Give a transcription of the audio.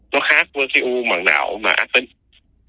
nó khác với cái u bằng não mà ác tính